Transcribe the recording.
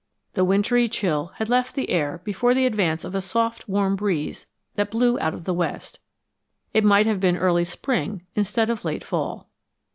The wintry chill had left the air before the advance of a soft, warm breeze that blew out of the west. It might have been early spring instead of late fall.